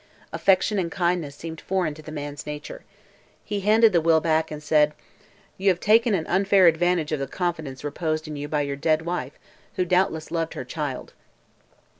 Affection and kindness seemed foreign to the man's nature. He handed the will back and said: "You have taken an unfair advantage of the confidence reposed in you by your dead wife, who doubtless loved her child.